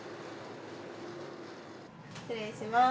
失礼します。